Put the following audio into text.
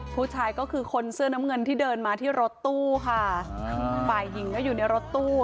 ผู้ชายก็คือคนเสื้อน้ำเงินที่เดินมาที่รถตู้ค่ะฝ่ายหญิงก็อยู่ในรถตู้